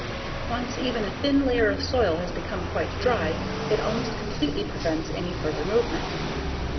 Once even a thin layer of soil has become quite dry it almost completely prevents any further movement.